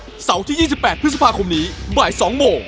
เสาร์ที่๒๘พฤษภาคมนี้บ่าย๒โมง